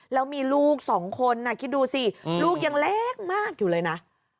แล้วมีลูกสองคนคิดดูสิลูกยังเล็กมากอยู่เลยนะ